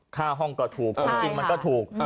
ค่าห้องก็ถูกอิ่มมันก็ถูก